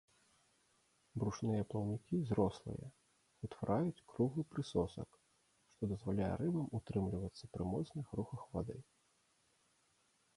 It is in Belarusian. Брушныя плаўнікі зрослыя, утвараюць круглы прысосак, што дазваляе рыбам утрымлівацца пры моцных рухах вады.